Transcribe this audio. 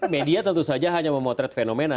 media tentu saja hanya memotret fenomena